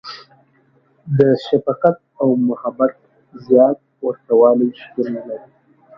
• د شفقت او محبت زیات ورتهوالی شتون لري.